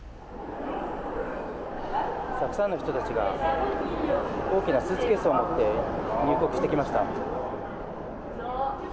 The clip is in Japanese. たくさんの人たちが大きなスーツケースを持って入国してきました。